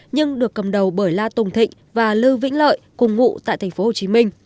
nhưng được cầm đầu bởi la tùng thịnh và lưu vĩnh lợi cùng ngụ tại tp hcm